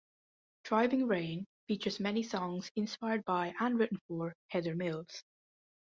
"Driving Rain" features many songs inspired by and written for Heather Mills.